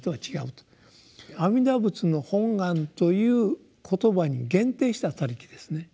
「阿弥陀仏の本願」という言葉に限定した「他力」ですね。